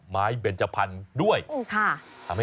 มีกลิ่นหอมกว่า